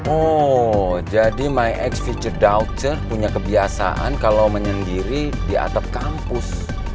oh jadi my ex future daughter punya kebiasaan kalau menyendiri di atap kampus